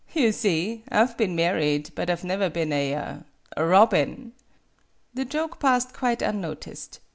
You see, I 've been mar ried, but I 've never been a a robin." The joke passed quite unnoticed.